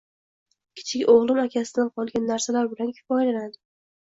Kichik o‘g‘lim akasidan qolgan narsalar bilan kifoyalanadi.